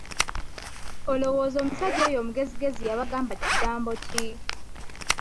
Olowooza omusajja oyo omugezigezi yabagamba kigambo ki?